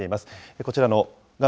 こちらの画面